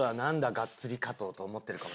ガッツリ加藤と思ってるかも。